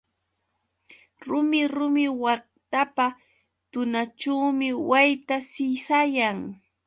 Rumi rumi waqtapa tunaćhuumi wayta sisayan.